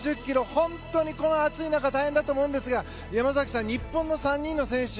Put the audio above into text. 本当にこの暑い中大変だと思うんですが山崎さん、日本の３人の選手